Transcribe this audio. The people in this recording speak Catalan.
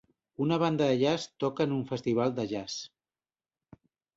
Una banda de jazz toca en un festival de jazz.